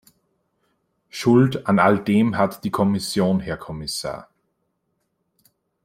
Schuld an all dem hat die Kommission, Herr Kommissar.